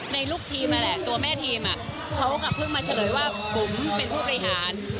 ในลูกทีมตัวแม่ทีมเขากลับพึ่งมาเฉลยว่าบุ๋มเป็นผู้ประหาร